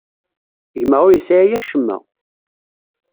Gma ur yesɛi acemma.